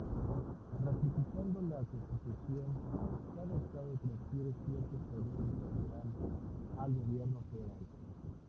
Ratificando la Constitución, cada estado transfiere ciertos poderes soberanos al gobierno federal.